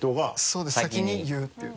そうです先に言うっていう。